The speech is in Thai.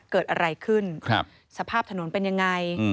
เกิดอะไรขึ้นสภาพถนนเป็นยังไง